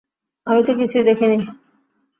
আমি তো কিছুই দেখিনি।